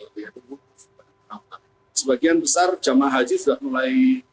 teman teman yang ada jamaah haji mulai